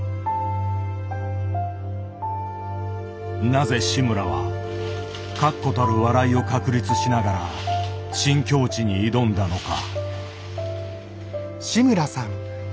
なぜ志村は確固たる笑いを確立しながら新境地に挑んだのか。